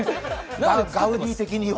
ガウディ的には。